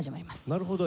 なるほど。